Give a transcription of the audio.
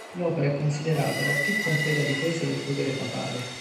L'opera è considerata "la più completa difesa del potere papale".